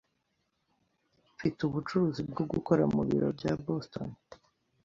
Mfite ubucuruzi bwo gukora mubiro bya Boston.